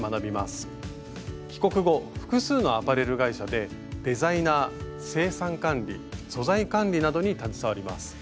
帰国後複数のアパレル会社でデザイナー生産管理素材管理などに携わります。